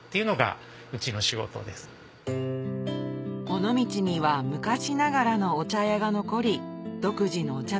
尾道には昔ながらのお茶屋が残り独自のお茶